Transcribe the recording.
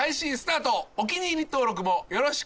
お気に入り登録もよろしく。